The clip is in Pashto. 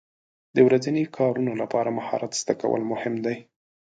د ورځني کارونو لپاره مهارت زده کول مهم دي.